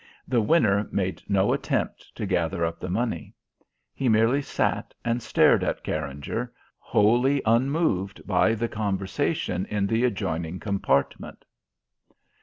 The winner made no attempt to gather up the money. He merely sat and stared at Carringer, wholly unmoved by the conversation in the adjoining compartment.